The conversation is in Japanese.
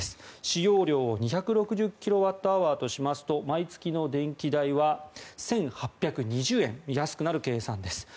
使用量を２６０キロワットアワーとしますと毎月の電気代は１８２０円安くなる計算です。